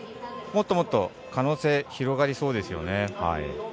もっともっと可能性広がりそうですよね。